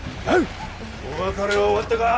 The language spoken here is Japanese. お別れは終わったか？